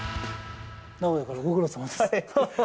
名古屋からご苦労さまです。